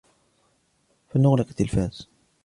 فلنغلق التلفاز.